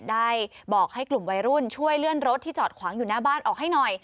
ได้บอกให้กลุ่มวัยรุ่นช่วยเลื่อนรถที่จอดขวางอยู่หน้าบ้านออกให้หน่อย